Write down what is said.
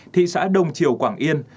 thị xã đồng triều quảng yên